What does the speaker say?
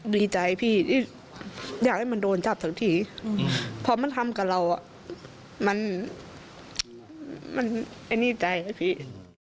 บีใจพี่อยากให้มันโดนจับสักทีเพราะมันทำกับเราอ่ะมันไม่นิดใจพี่